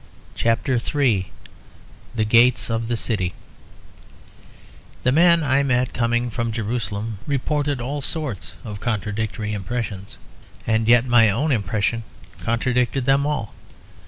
CHAPTER III THE GATES OF THE CITY The men I met coming from Jerusalem reported all sorts of contradictory impressions; and yet my own impression contradicted them all.